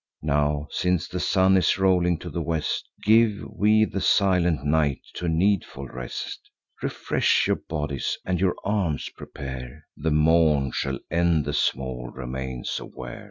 Now, since the sun is rolling to the west, Give we the silent night to needful rest: Refresh your bodies, and your arms prepare; The morn shall end the small remains of war."